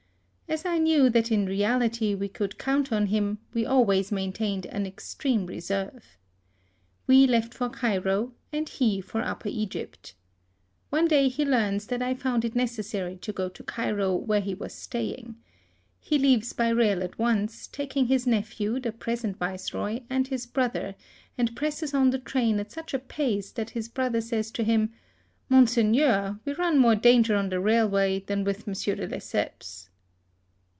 As I knew that in reality we could count on 58 . HISTORY OF him, we always maintained an extreme re serve. We left for Cairo, and he for Upper Egypt. One day he learns that I found it necessary to go to Cairo, where he was stay ing. He leaves by rail at once, taking his nephew, the present Viceroy, and his brother, and presses on the train at such a pace that his brother says to him, " Monseigneur, we run more danger on the railway than with Monsieur de Lesseps."